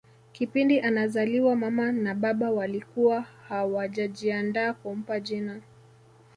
Kipindi anazaliwa mama na baba walikuwa hawajajiandaa kumpa jina